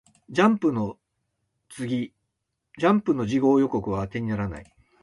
ジャンプの次号予告は当てにならない